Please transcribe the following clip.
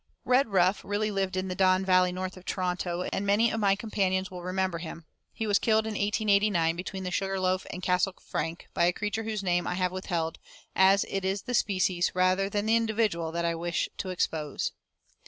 Redruff really lived in the Don Valley north of Toronto, and many of my companions will remember him. He was killed in 1889, between the Sugar Loaf and Castle Frank, by a creature whose name I have withheld, as it is the species, rather than the individual, that I wish to expose.